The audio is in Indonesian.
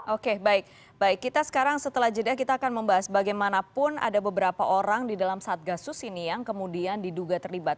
oke baik baik kita sekarang setelah jeda kita akan membahas bagaimanapun ada beberapa orang di dalam satgasus ini yang kemudian diduga terlibat